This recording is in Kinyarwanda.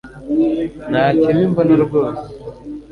Nta kibi mbona rwose